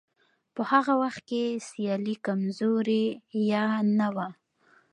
په هغه وخت کې سیالي کمزورې یا نه وه.